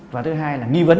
và thứ hai là nghi vấn